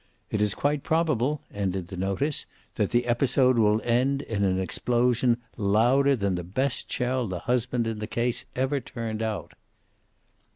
"It is quite probable," ended the notice, "that the episode will end in an explosion louder than the best shell the husband in the case ever turned out."